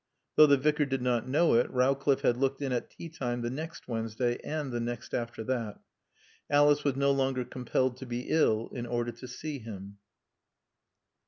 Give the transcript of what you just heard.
Though the Vicar did not know it, Rowcliffe had looked in at teatime the next Wednesday and the next after that. Alice was no longer compelled to be ill in order to see him.